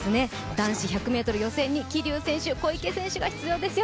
男子１００ｍ予選に桐生選手、小池選手が出場ですよ。